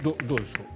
どうです？